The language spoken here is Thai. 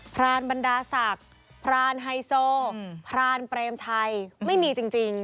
รานบรรดาศักดิ์พรานไฮโซพรานเปรมชัยไม่มีจริง